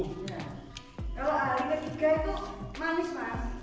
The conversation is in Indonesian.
kalau hari ketiga itu manis mas